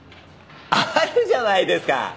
あるじゃないですか。